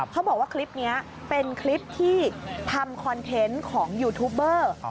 เขาบอกว่าคลิปนี้เป็นคลิปที่ทำคอนเทนต์ของยูทูบเบอร์